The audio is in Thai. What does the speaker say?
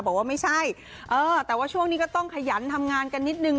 บอกว่าไม่ใช่เออแต่ว่าช่วงนี้ก็ต้องขยันทำงานกันนิดนึง